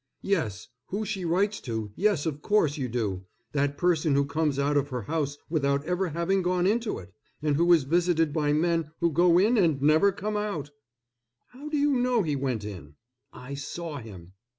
"Yes, who she writes to—yes, of course you do—that person who comes out of her house without ever having gone into it, and who is visited by men who go in and never come out——" "How do you know he went in?" "I saw him."